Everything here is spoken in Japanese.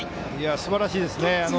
すばらしいですね。